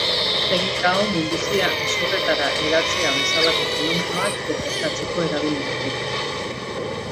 Teknika hau minbizia hezurretara hedatzea bezalako fenomenoak detektatzeko erabil daiteke.